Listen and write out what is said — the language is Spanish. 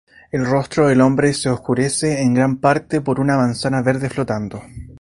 El rostro del hombre se oscurece en gran parte por una manzana verde flotando.